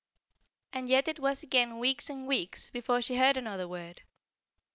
And yet it was again weeks and weeks before she heard another word.